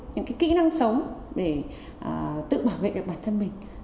những kỹ năng sống để tự bảo vệ được bản thân mình